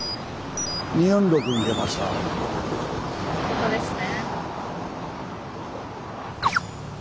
ここですね。